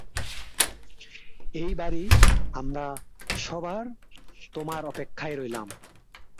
এই বাড়ী, আমরা সবার, তোমার অপেক্ষায় রইলাম।